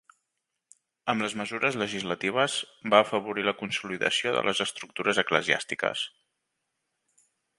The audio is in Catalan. Amb les mesures legislatives va afavorir la consolidació de les estructures eclesiàstiques.